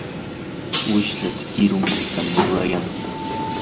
wishlata qirupitam rurayan.